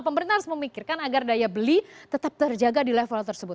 pemerintah harus memikirkan agar daya beli tetap terjaga di level tersebut